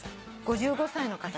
５５歳の方。